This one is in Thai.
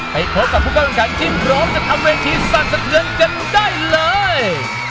ไปพบกับผู้กำลังการที่พร้อมจะทำเรทีสรรสะเทือนกันได้เลย